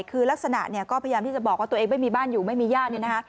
คือลักษณะก็พยายามที่จะบอกว่าตัวเองไม่มีบ้านอยู่ไม่มีญาติ